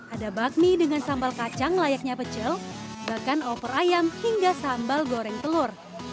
ada bakmi dengan sambal kacang layaknya pecel bahkan opor ayam hingga sambal goreng telur